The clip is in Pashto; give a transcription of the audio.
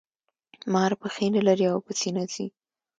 مار پښې نلري او په سینه ځي